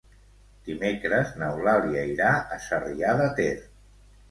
Dimecres n'Eulàlia irà a Sarrià de Ter.